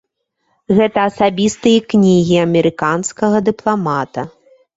Гэта асабістыя кнігі амерыканскага дыпламата.